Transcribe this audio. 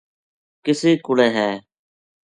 کِسے کُوڑے ہے